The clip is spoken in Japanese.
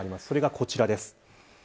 それがこちらです。